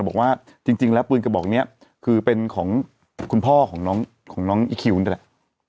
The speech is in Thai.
บอกว่าจริงแล้วปืนกระบอกนี้คือเป็นของคุณพ่อของน้องของน้องอีคิวนี่แหละ